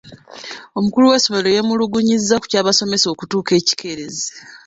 Omukulu w'essomero yeemulugunyizza ku ky'abasomesa okutuuka ekikeerezi.